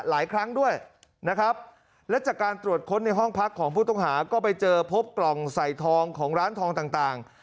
หลายครั้งด้วยนะครับและจากการตรวจค้นในห้องพักของผู้ต้องหาก็ไปเจอพบกล่องใส่ทองของร้านทองต่าง